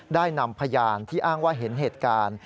ได้นำพยานที่อ้างว่าเห็นเหตุการณ์